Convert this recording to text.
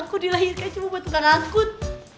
aku dilahirkan cuma buat gak ngangkut